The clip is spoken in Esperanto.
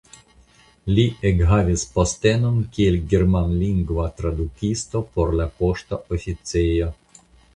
Li ekhavis postenon kiel germanlingva tradukisto por la poŝta oficejo.